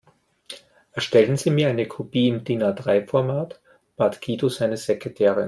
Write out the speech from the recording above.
Erstellen Sie mir eine Kopie im DIN-A-drei Format, bat Guido seine Sekretärin.